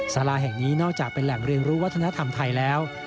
สาราแห่งนี้นอกจากเป็นแหล่งเรียนรู้วัฒนธรรมไทยแล้ว